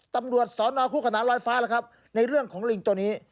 ตำรวจสอนอคู่ขนานลอยฟ้าแล้วครับในเรื่องของลิงตัวนี้